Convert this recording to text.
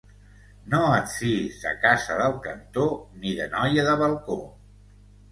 No et fiïs de casa del cantó ni de noia de balcó.